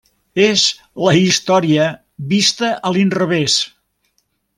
És la Història vista a l'inrevés.